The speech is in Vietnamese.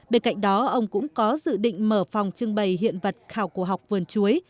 bên cạnh đó ông cũng có dự định mở phòng trưng bày hiện vật khảo cổ học vườn chuối